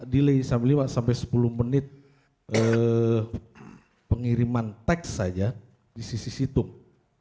delay sampai lima sampai sepuluh menit pengiriman teks saja di sisi situng